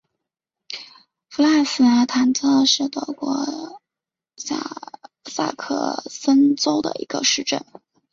弗赖斯塔特是德国下萨克森州的一个市镇。